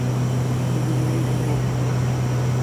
এত দেরি হল কেন তোর?